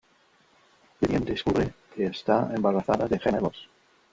Vivien descubre que está embarazada de gemelos.